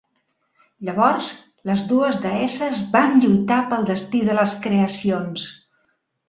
Llavors les dues deesses van lluitar pel destí de les creacions.